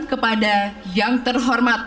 kepada yang terhormat